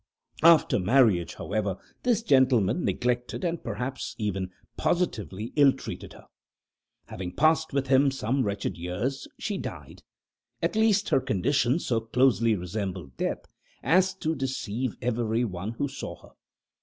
After marriage, however, this gentleman neglected, and, perhaps, even more positively ill treated her. Having passed with him some wretched years, she died, at least her condition so closely resembled death as to deceive every one who saw her.